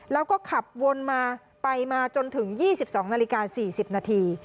แล้วก็ขับวนมาไปมาจนถึง๒๒นาฬิกา๔๐นาที